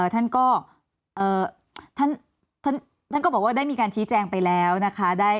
ท่านก็ท่านก็บอกว่าได้มีการชี้แจงไปแล้วนะคะ